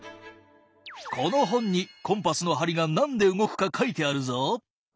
この本にコンパスの針が何で動くか書いてあるぞ。